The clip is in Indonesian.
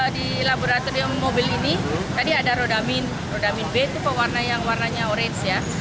di laboratorium mobil ini tadi ada rodamin rodamin b itu pewarna yang warnanya orange ya